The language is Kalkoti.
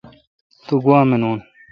تو گوا منون